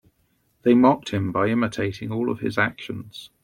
They mocked him by imitating all of his actions.